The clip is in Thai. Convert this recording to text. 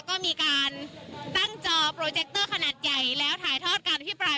ก็มีการตั้งจอโปรเจคเตอร์ขนาดใหญ่แล้วถ่ายทอดการอภิปราย